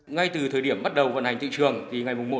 ngay từ thời điểm bắt đầu vận hành thị trường